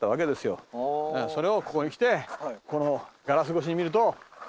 それをここに来てこのガラス越しに見ると。